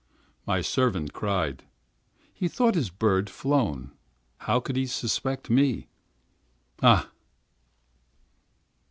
My servant cried; he thought his bird flown. How could he suspect me? Ah!